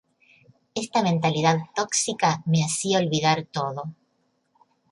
Esta mentalidad tóxica me hacía olvidar todo